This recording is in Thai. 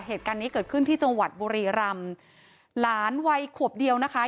เหตุการณ์นี้เกิดขึ้นที่จังหวัดบุรีรำหลานวัยขวบเดียวนะคะ